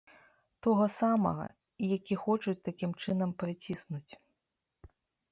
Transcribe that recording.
Тога самага, які хочуць такім чынам прыціснуць.